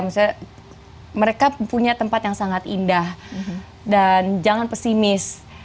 misalnya mereka punya tempat yang sangat indah dan jangan pesimis